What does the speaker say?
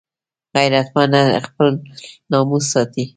غیرتمند خپل ناموس ساتي